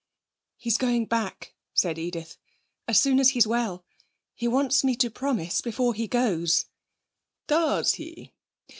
'He's going back,' said Edith, 'as soon as he's well. He wants me to promise before he goes.' 'Does he!